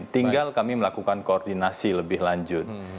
tinggal kami melakukan koordinasi lebih lanjut